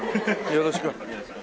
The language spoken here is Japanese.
よろしくお願いします。